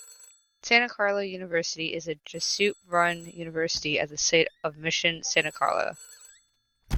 Santa Clara University is a Jesuit-run university at the site of Mission Santa Clara.